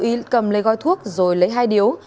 nghiệp tự ý cầm lấy gói thuốc rồi lấy hai điếu